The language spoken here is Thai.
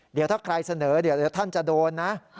เดี๋ยวถ้าใครเสนอเดี๋ยวท่านจะโดนนะ